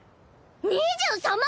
２３万